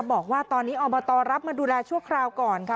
บอกว่าตอนนี้อบตรับมาดูแลชั่วคราวก่อนค่ะ